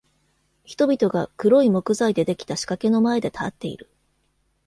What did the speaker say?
人々が黒い木材でできた仕掛けのまえで立っている。